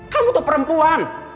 kamu tuh perempuan